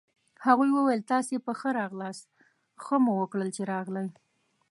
هغوی وویل: تاسي په ښه راغلاست، ښه مو وکړل چي راغلئ.